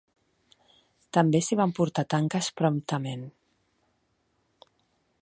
També s'hi van portar tanques promptament.